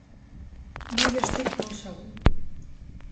No hi estic molt segur.